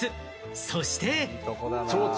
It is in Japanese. そして。